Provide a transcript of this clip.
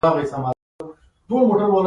خیر دا وخت به هم تېر شي.